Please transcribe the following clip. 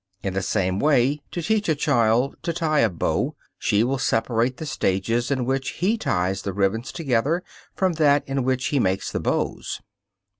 In the same way, to teach a child to tie a bow, she will separate the stage in which he ties the ribbons together from that in which he makes the bows.